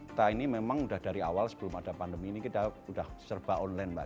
kita ini memang udah dari awal sebelum ada pandemi ini kita udah serba online mbak